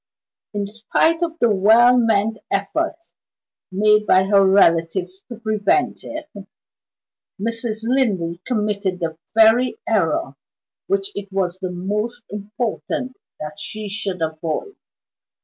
In spite of the well meant efforts made by her relatives to prevent it, Mrs. Linley committed the very error which it was the most important that she should avoid.